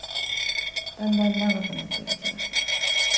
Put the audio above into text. だんだん長くなってる気がする。